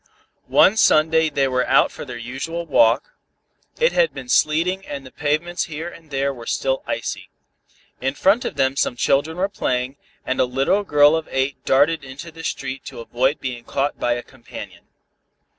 One Sunday they were out for their usual walk. It had been sleeting and the pavements here and there were still icy. In front of them some children were playing, and a little girl of eight darted into the street to avoid being caught by a companion.